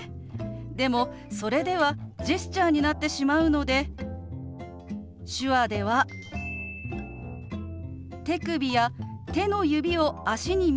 でもそれではジェスチャーになってしまうので手話では手首や手の指を足に見立てて表すんですよ。